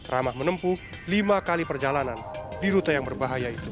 ramah menempuh lima kali perjalanan di rute yang berbahaya itu